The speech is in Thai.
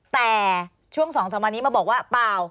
แต่ช่วง๒๓วันนี้มาบอกว่าเปล่า